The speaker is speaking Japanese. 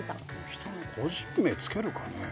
人の個人名付けるかね？